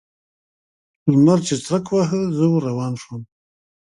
لمر چې څرک واهه؛ زه ور روان شوم.